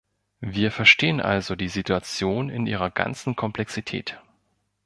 Wir verstehen also die Situation in ihrer ganzen Komplexität.